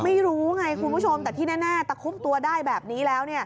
ไม่รู้ไงคุณผู้ชมแต่ที่แน่ตะคุบตัวได้แบบนี้แล้ว